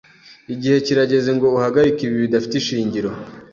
Igihe kirageze ngo uhagarike ibi bidafite ishingiro.